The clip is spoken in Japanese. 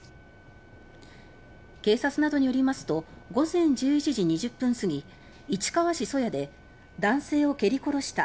警察などによりますと午前１１時２０分すぎ市川市曽谷で「男性を蹴り殺した。